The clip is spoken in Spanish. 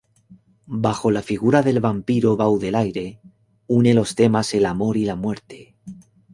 Bajo la figura del vampiro Baudelaire une los temas el amor y la muerte.